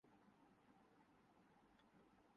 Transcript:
dressing room کا discipline برقرار رہے گا